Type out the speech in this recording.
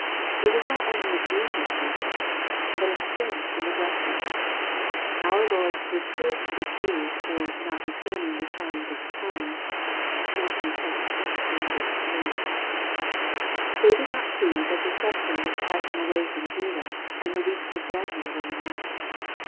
It is not only a duty to do this, but a sin to neglect it. Our Lord reproved the Jews for "not discerning the signs of the times." (Matt. xvi. 3 ) They did not see that the sceptre was passing away from Judah, and the weeks of Daniel running out.